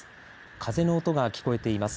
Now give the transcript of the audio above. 風の音が聞こえています。